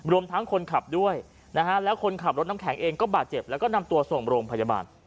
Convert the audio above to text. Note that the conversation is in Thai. รวมทั้งคนขับด้วยนะฮะแล้วคนขับรถน้ำแข็งเองก็บาดเจ็บแล้วก็นำตัวส่งโรงพยาบาล